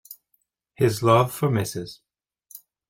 His love for Mrs.